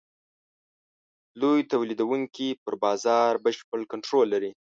لوی تولیدوونکي پر بازار بشپړ کنټرول لري.